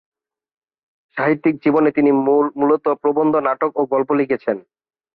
সাহিত্যিক জীবনে তিনি মূলত প্রবন্ধ, নাটক ও গল্প লিখেছেন।